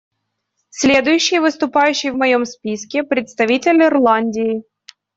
Следующий выступающий в моем списке — представитель Ирландии.